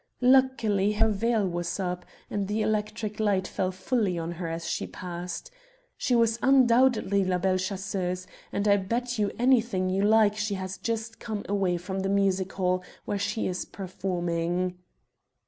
Luckily her veil was up, and the electric light fell fully on her as she passed. She was undoubtedly La Belle Chasseuse, and I bet you anything you like she had just come away from the music hall where she is performing."